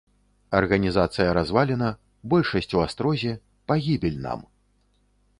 Арганізацыя развалена, большасць у астрозе, пагібель нам.